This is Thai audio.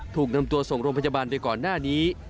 ถูกนำตัวส่งโรงพยาบาลไปก่อนหน้านี้